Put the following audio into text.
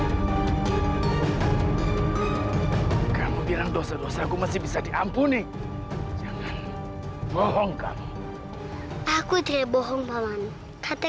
jika kamu bilang dosa dosa aku masih bisa diampuni jangan bohong kamu aku tidak bohong paman kata